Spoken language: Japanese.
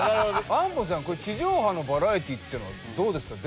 安保さん地上波のバラエティーっていうのはどうですか？